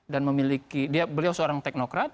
dan memiliki beliau seorang teknokrat